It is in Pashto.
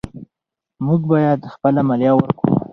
موږ باید خپله مالیه ورکړو.